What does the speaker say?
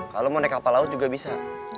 kalau mau naik kapal laut juga bisa